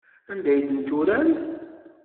Anda ay ten-turam?